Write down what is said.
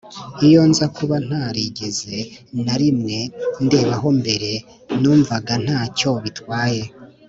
Iyo nza kuba ntarigeze na rimwe ndebaho mbere numvaga nta cyo bitwaye